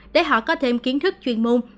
để họ có thêm kiến thức chuyên môn